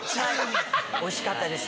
おいしかったです